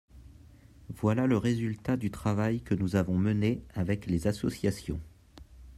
Voilà le résultat du travail que nous avons mené avec les associations.